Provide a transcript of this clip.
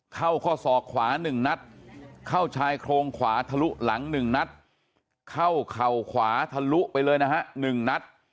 เข้าข้อศอกขวา๑นัดเข้าชายโครงขวาทะลุหลัง๑นัดเข้าเข่าขวาทะลุไปเลยนะฮะ๑นัด